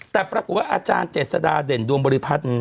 แต่ปรากฏว่าอาจารย์เจษฎาเด่นดวงบริพัฒน์